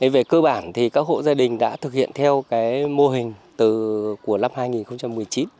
về cơ bản các hộ gia đình đã thực hiện theo mô hình của năm hai nghìn một mươi chín